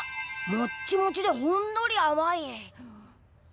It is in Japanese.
もっちもちでほんのりあまい。